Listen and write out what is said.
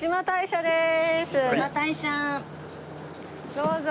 どうぞ。